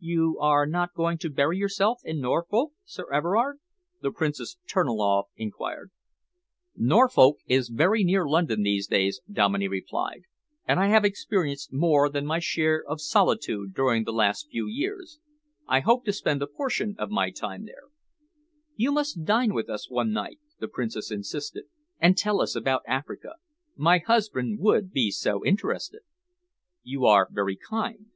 "You are not going to bury yourself in Norfolk, Sir Everard?" the Princess Terniloff enquired. "Norfolk is very near London these days," Dominey replied, "and I have experienced more than my share of solitude during the last few years. I hope to spend a portion of my time here." "You must dine with us one night," the Princess insisted, "and tell us about Africa. My husband would be so interested." "You are very kind."